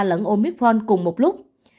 lẫn omicron cùng một lúc